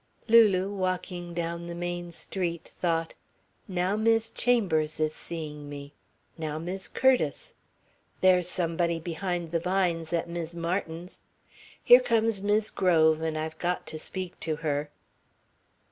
Lulu, walking down the main street, thought: "Now Mis' Chambers is seeing me. Now Mis' Curtis. There's somebody behind the vines at Mis' Martin's. Here comes Mis' Grove and I've got to speak to her...."